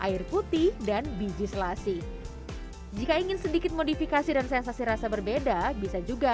air putih dan biji selasi jika ingin sedikit modifikasi dan sensasi rasa berbeda bisa juga